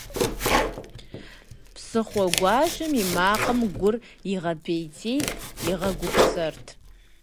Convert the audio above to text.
Псыхъуэгуащэм и макъым гур игъэпӏейтейт, игъэхъупсэрт.